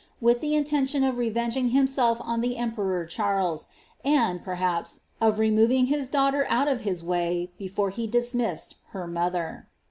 with the inienli'tii tf[ \ rriengia^ himaelf on the emperor Charles, and, porhapa, of retiioving liifl daitghicr oul of his way before he dismissed her mother.